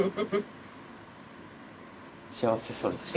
幸せそうですね。